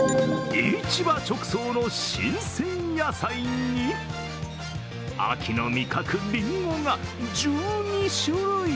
市場直送の新鮮野菜に秋の味覚・リンゴが１２種類！